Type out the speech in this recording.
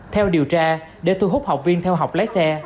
theo điều tra để thu hút học viên theo học lái xe